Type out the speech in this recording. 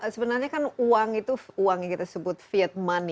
sebenarnya kan uang itu uang yang kita sebut viet money